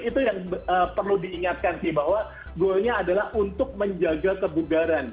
itu yang perlu diingatkan sih bahwa goalnya adalah untuk menjaga kebugaran